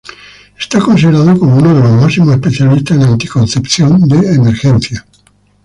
Está considerado como uno de los máximos especialista en anticoncepción de emergencia.